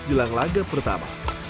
jelang laga pertama